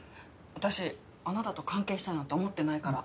私あなたと関係したいなんて思ってないから。